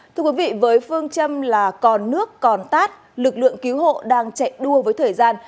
thưa quý vị với phương châm là còn nước còn tát lực lượng cứu hộ đang chạy đua với thời gian